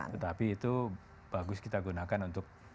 tetapi itu bagus kita gunakan untuk